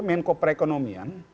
ada satu ekonomian